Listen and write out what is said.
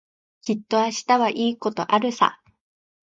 きっと明日はいいことあるさ。